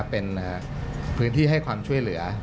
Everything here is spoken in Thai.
เป็นพื้นที่ให้ความช่วยเหลือ